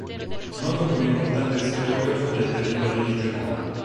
Noto come importante storiografo del territorio di Gemona.